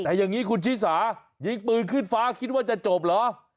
แต่อย่างนี้คุณชิสายิงปืนขึ้นฟ้าคิดว่าจะจบเหรอ